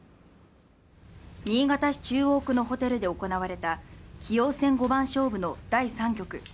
新潟市中央区のホテルで行われた棋王戦五番勝負の第３局。